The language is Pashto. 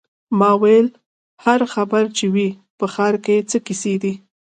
ما وویل: هر خبر چې وي، په ښار کې څه کیسې دي.